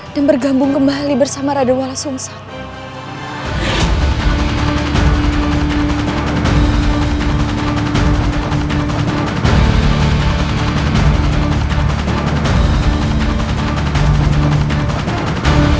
dan bergambung kembali bersama radwala sumsat